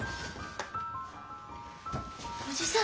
おじさん！